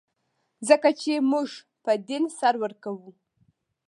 ځکه چې موږ په دین سر ورکوو.